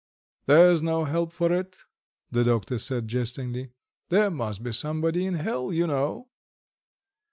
"There's no help for it," the doctor said jestingly; "there must be somebody in hell, you know."